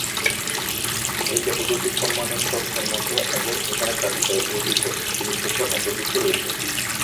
এই যাদুঘরটি সম্মান ও শ্রদ্ধার মতো এবং এখানে তাঁর ব্যবহৃত জিনিসপত্র অন্তর্ভুক্ত রয়েছে।